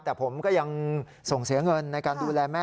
แต่ผมก็ยังส่งเสียเงินในการดูแลแม่